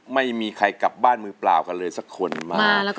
ไม่มีใครกลับบ้านมือเปล่ากันเลยสักคนมา